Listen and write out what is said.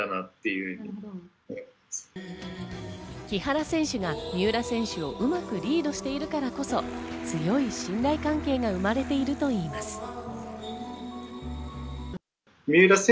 木原選手が三浦選手をうまくリードしているからこそ強い信頼関係が生まれているといいます。